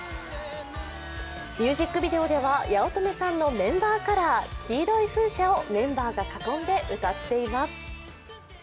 ミュージックビデオでは八乙女さんのメンバーカラー黄色い風車をメンバーが囲んで歌っています。